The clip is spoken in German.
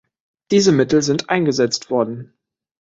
Diese Mittel sind eingesetzt worden.